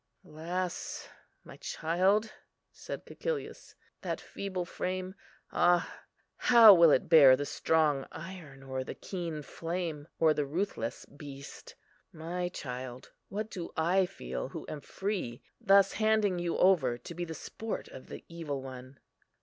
"Alas, my child!" said Cæcilius, "that feeble frame, ah! how will it bear the strong iron, or the keen flame, or the ruthless beast? My child, what do I feel, who am free, thus handing you over to be the sport of the evil one?"